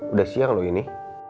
udah siang loh ini